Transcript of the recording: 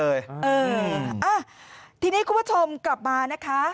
เอออ่ะทีนี้คุณผู้ชมกลับมานะคะ